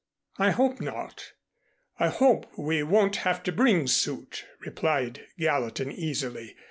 "I hope not. I hope we won't have to bring suit," replied Gallatin easily.